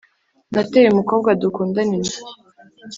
nateye umukobwa dukundana inda,